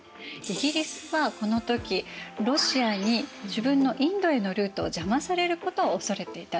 イギリスはこの時ロシアに自分のインドへのルートを邪魔されることを恐れていたのよね。